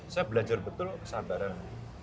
saya belajar betul kesabaran